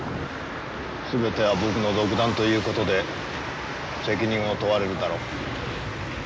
全ては僕の独断ということで責任を問われるだろう。